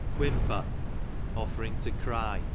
Whimpei , offering to cry.